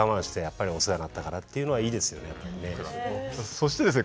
そしてですね